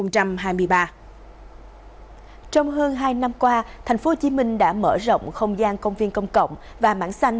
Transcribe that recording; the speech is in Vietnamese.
trong hơn hai năm qua thành phố hồ chí minh đã mở rộng không gian công viên công cộng và mảng xanh